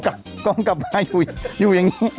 กองกลับมาอยู่อย่างนี้